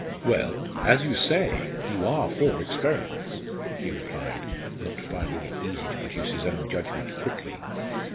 "Well as you say, you are for experiments!" he replied, not finding it easy to produce his own judgment quickly.